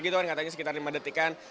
katanya sekitar lima detikan